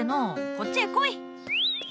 こっちへ来い！